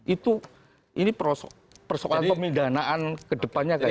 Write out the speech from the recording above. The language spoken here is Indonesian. itu persokalan pemindanaan ke depannya kayak apa